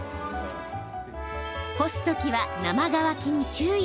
干すときは、生乾きに注意。